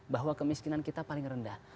bahwa kemiskinan kita paling rendah